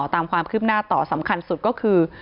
ตามความคืบหน้าต่อสำคัญสุดก็คือ